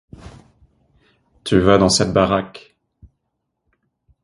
Tu vas dans cette baraque.